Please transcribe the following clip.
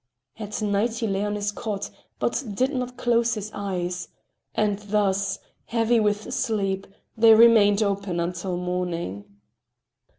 At night he lay on his cot, but did not close his eyes, and thus, heavy with sleep, they remained open until morning.